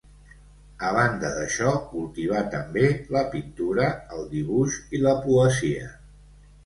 A banda d'això, cultivà també la pintura, el dibuix i la poesia.